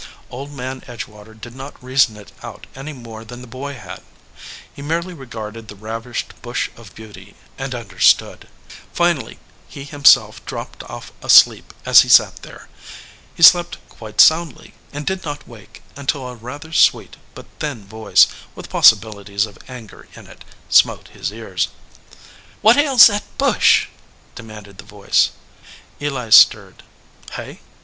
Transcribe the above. Old Man Edgewater did not reason it out any more than the boy had. He merely regarded the ravished bush of beauty, and understood. Finally he himself dropped off asleep as he sat there. He slept quite soundly, and did not wake until a rather sweet, but thin voice, with possibilities of anger in it, smote his ears. "What ails that bush?" demanded the voice. Eli stirred. "Hey?"